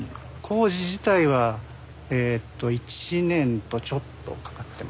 工事自体は１年とちょっとかかってますね。